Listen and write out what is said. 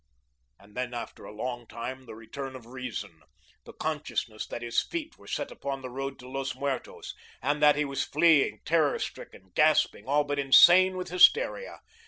And then after a long time the return of reason, the consciousness that his feet were set upon the road to Los Muertos, and that he was fleeing terror stricken, gasping, all but insane with hysteria.